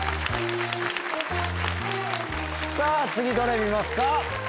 次どれ見ますか？